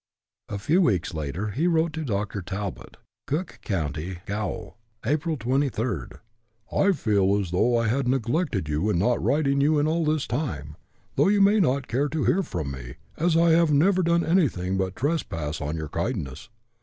A few weeks later he wrote to Dr. Talbot: "Cook County Gaol, April 23. I feel as though I had neglected you in not writing you in all this time, though you may not care to hear from me, as I have never done anything but trespass on your kindness.